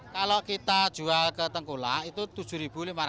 kalau kita jual ke tengkulak itu rp tujuh lima ratus